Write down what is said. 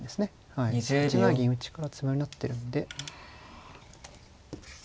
８七銀打から詰めろになってるんで。